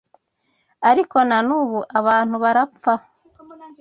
Ariko na n’ubu abantu barapfa